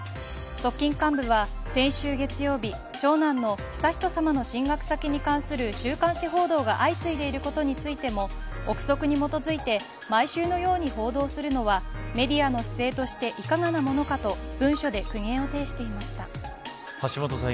側近幹部は先週月曜日長男の悠仁さまの進学先に関する週刊誌報道が相次いでいることについても臆測に基づいて毎週のように報道するのはメディアの姿勢としていかがなものかと文書で苦言を呈していました。